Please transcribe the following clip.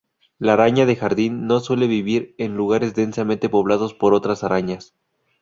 La araña de jardín no suele vivir en lugares densamente poblados por otras arañas.